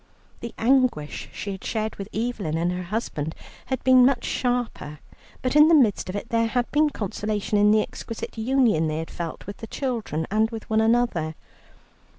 The anguish she had shared with Evelyn and her husband had been much sharper, but in the midst of it there had been consolation in the exquisite union they had felt with the children and with one another.